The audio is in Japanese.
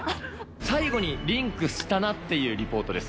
最後にリンクしたなっていうリポートです。